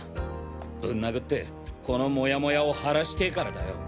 ブン殴ってこのモヤモヤを晴らしてぇからだよ。